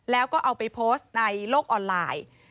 แล้วก็เอาไปโพสต์ในโลกออนไลน์